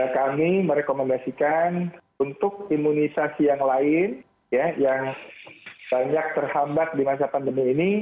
kami merekomendasikan untuk imunisasi yang lain yang banyak terhambat di masa pandemi ini